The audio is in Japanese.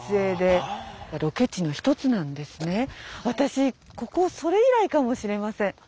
私ここそれ以来かもしれません。